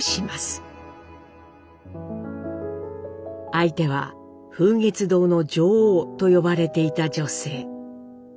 相手は「風月堂の女王」と呼ばれていた女性。